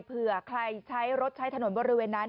เผื่อใครใช้รถใช้ถนนบริเวณนั้น